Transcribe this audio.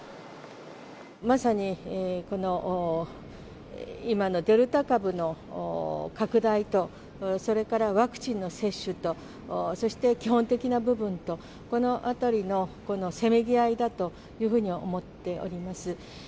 まさに、この今のデルタ株の拡大と、それからワクチンの接種と、そして基本的な部分と、このあたりの、このせめぎ合いだというふうに思っております。